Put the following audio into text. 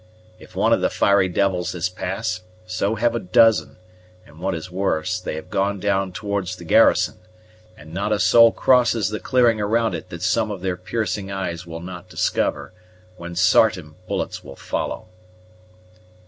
If one of the fiery devils has passed, so have a dozen; and, what is worse, they have gone down towards the garrison, and not a soul crosses the clearing around it that some of their piercing eyes will not discover, when sartain bullets will follow."